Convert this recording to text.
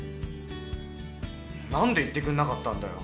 何で言ってくんなかったんだよ。